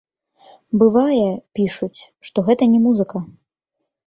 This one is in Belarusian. Бывае, пішуць, што гэта не музыка.